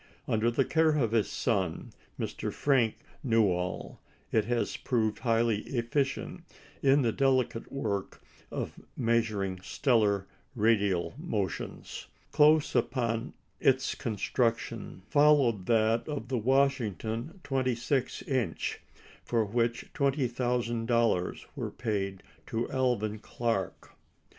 Under the care of his son, Mr. Frank Newall, it has proved highly efficient in the delicate work of measuring stellar radial motions. Close upon its construction followed that of the Washington 26 inch, for which twenty thousand dollars were paid to Alvan Clark.